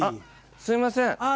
すいません。